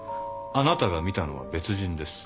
あなたが見たのは別人です。